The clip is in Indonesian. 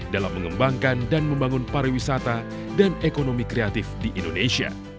dalam mengembangkan dan membangun pariwisata dan ekonomi kreatif di indonesia